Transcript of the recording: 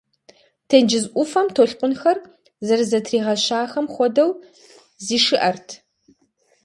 Тенджыз ӏуфэм толъкъунхэр зэрызэтригъэщахэм хуэдэу зишыӏэрт.